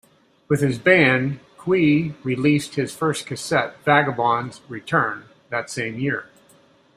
With his band, Cui released his first cassette "Vagabond's Return" that same year.